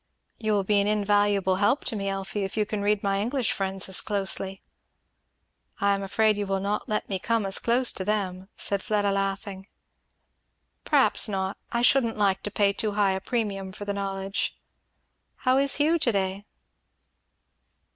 "You will be an invaluable help to me, Elfie, if you can read my English friends as closely." "I am afraid you will not let me come as close to them," said Fleda laughing. "Perhaps not. I shouldn't like to pay too high a premium for the knowledge. How is Hugh, to day?"